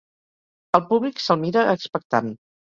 El públic se'l mira expectant.